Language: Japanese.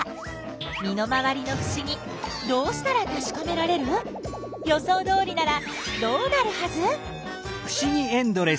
身の回りのふしぎどうしたらたしかめられる？予想どおりならどうなるはず？